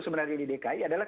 sebenarnya di dki adalah